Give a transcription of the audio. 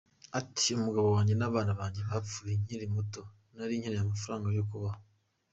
Ati “Umugabo wanjye n’abana banjye bapfuye nkiri muto, nari nkeneye amafaranga yo kubaho.